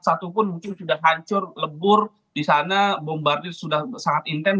satu pun muncul sudah hancur lebur di sana bombardir sudah sangat intent